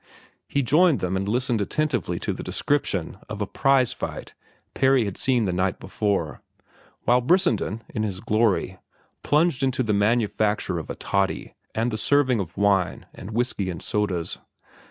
He joined them and listened attentively to the description of a prize fight Parry had seen the night before; while Brissenden, in his glory, plunged into the manufacture of a toddy and the serving of wine and whiskey and sodas.